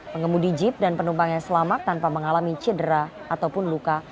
pengemudi jeep dan penumpang yang selamat tanpa mengalami cedera ataupun luka